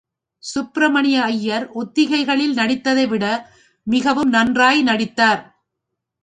சுப்பிமணிய ஐயர், ஒத்திகைகளில் நடித்ததைவிட மிகவும் நன்றாய் நடித்தார்.